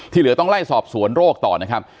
เหลือต้องไล่สอบสวนโรคต่อนะครับ